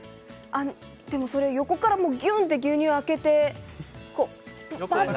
それ横からぎゅんって牛乳を開けて、ぱっと。